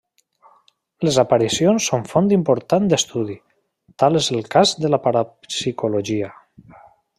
Les aparicions són font important d'estudi, tal és el cas de la parapsicologia.